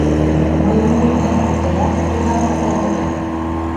Мый ом лук гын, тыят тугак пытет ыле.